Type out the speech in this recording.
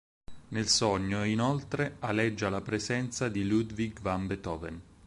Nel sogno, inoltre, aleggia la presenza di Ludwig van Beethoven.